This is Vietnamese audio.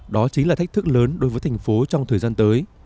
đó chính là thách thức lớn đối với thành phố trong thời gian tới